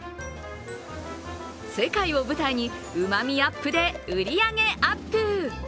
世界を舞台に、うまみアップで売り上げアップ。